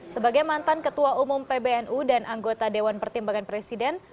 sebagai mantan ketua umum pbnu dan anggota dewan pertimbangan presiden